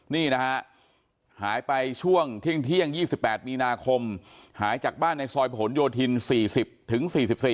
นี่นะฮะหายไปช่วงเที่ยง๒๘มีนาคมหายจากบ้านในซอยผลโยธิน๔๐ถึง๔๔